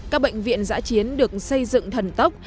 các bệnh viện giã chiến được xây dựng thần tốc